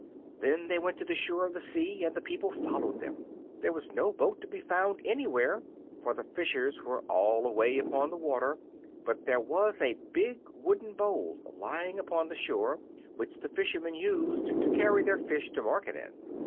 Then they went to the shore of the sea, and the people followed them. There was no boat to be found anywhere, for the fishers were all away upon the water; but there was a big wooden bowl lying upon the shore, which the fishermen used to carry their fish to market in.